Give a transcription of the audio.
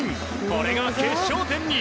これが決勝点に。